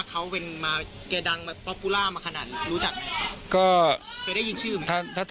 แล้วอันนี้ก็เปิดแล้ว